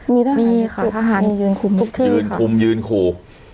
มีทะหงทหารหมันทุกที่ยืนคุมยืนขู่